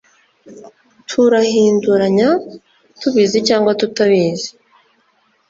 turahinduranya, tubizi cyangwa tutabizi